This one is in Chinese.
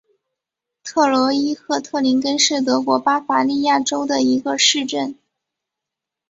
特罗伊赫特林根是德国巴伐利亚州的一个市镇。